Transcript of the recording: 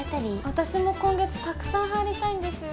私も今月たくさん入りたいんですよ。